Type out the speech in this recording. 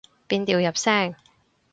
變調入聲